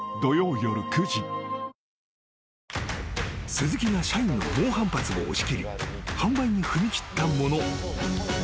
［鈴木が社員の猛反発を押し切り販売に踏み切ったもの］